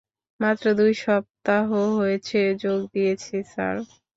মাত্র দুই সপ্তাহ হয়েছে যোগ দিয়েছি, স্যার।